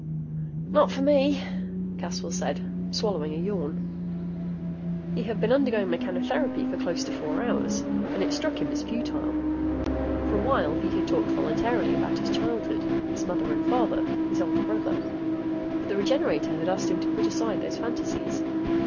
"Not for me," Caswell said, swallowing a yawn. He had been undergoing mechanotherapy for close to four hours and it struck him as futile. For a while, he had talked voluntarily about his childhood, his mother and father, his older brother. But the Regenerator had asked him to put aside those fantasies.